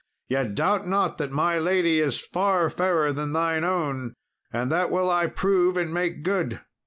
Yet doubt not that my lady is far fairer than thine own, and that will I prove and make good."